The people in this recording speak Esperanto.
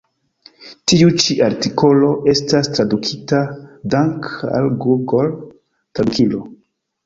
Tiu ĉi artikolo estas tradukita dank' al Google-Tradukilo.